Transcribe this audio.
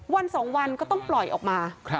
วัน๒วันก็ต้องปล่อยออกมา